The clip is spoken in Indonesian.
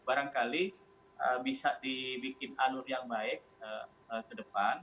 barangkali bisa dibikin alur yang baik ke depan